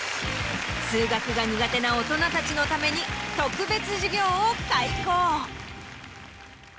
数学が苦手な大人たちのために特別授業を開講。